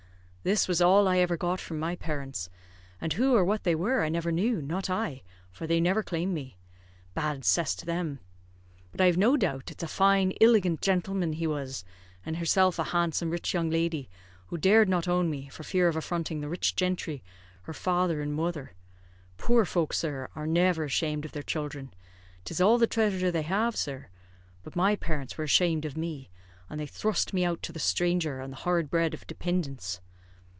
This was all I ever got from my parents; and who or what they were, I never knew, not I, for they never claimed me; bad cess to them! But I've no doubt it's a fine illigant gintleman he was, and herself a handsome rich young lady, who dared not own me for fear of affronting the rich jintry, her father and mother. Poor folk, sir, are never ashamed of their children; 'tis all the threasure they have, sir; but my parents were ashamed of me, and they thrust me out to the stranger and the hard bread of depindence."